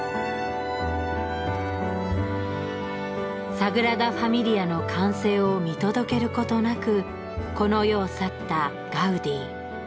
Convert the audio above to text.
サグラダ・ファミリアの完成を見届けることなくこの世を去ったガウディ。